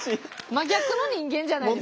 真逆の人間じゃないですか。